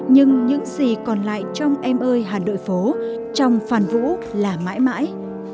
nhưng những gì còn lại trong em ơi hà nội phố trong phản vũ là mãi mãi